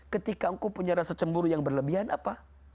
ketika engkau punya rasa cemburu yang berlebihan apa